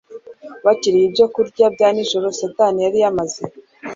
Bakirya ibyokurya bya nijoro Satani yari yamaze